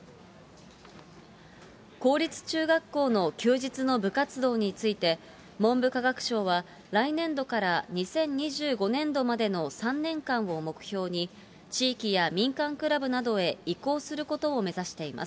公立中学校の休日の部活動について、文部科学省は、来年度から２０２５年度までの３年間を目標に、地域や民間クラブなどへ移行することを目指しています。